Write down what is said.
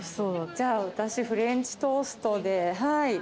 じゃあ私フレンチトーストで。